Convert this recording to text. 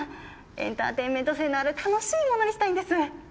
エンターテインメント性のある楽しいものにしたいんです！